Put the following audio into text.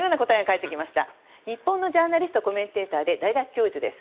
日本のジャーナリストコメンテーターで大学教授です。